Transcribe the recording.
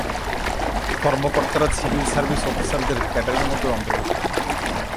কর্মকর্তারা civil service অফিসারদের ক্যাডারের মধ্যে অন্তর্ভুক্ত।